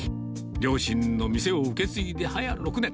両親の店を受け継いで早６年。